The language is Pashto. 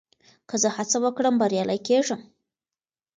که زه هڅه وکړم، بريالی کېږم.